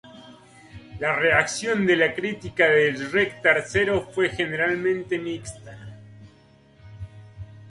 La reacción de la crítica de "Shrek Tercero" fue generalmente mixta.